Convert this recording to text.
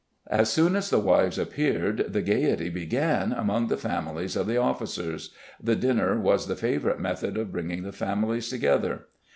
As soon as the wives appeared, the gaiety began among the families of the officers, the dinner was the favorite method of bringing the families together.